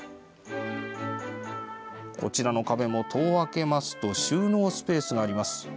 こちらの壁も戸を開けますと収納スペースがあります。